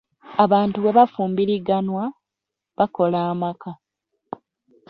Abantu bwe bafumbiriganwa, bakola amaka